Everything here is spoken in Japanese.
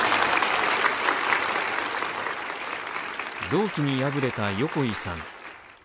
同期に敗れた横井さん。